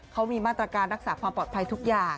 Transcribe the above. เขามีมาตรการรักษาความปลอดภัยทุกอย่าง